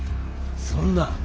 そんな！